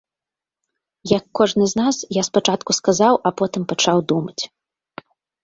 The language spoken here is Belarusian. Як кожны з нас, я спачатку сказаў, а потым пачаў думаць.